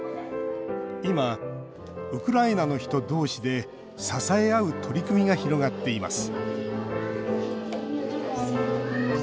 今、ウクライナの人同士で支え合う取り組みが広がっています。